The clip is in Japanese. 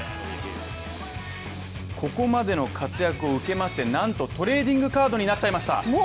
ここまでの活躍を受けましてなんとトレーディングカードになっちゃいました。